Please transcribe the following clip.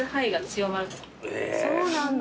そうなんだ。